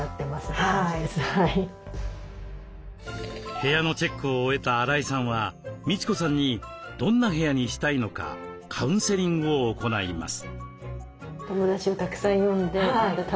部屋のチェックを終えた荒井さんはみち子さんにどんな部屋にしたいのかカウンセリングを行います。